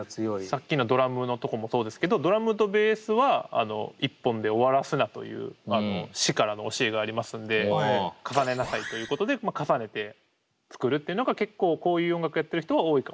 さっきのドラムのとこもそうですけどドラムとベースは１本で終わらすなという師からの教えがありますんで重ねなさいということで重ねて作るっていうのが結構こういう音楽やってる人は多いかもしれないですね。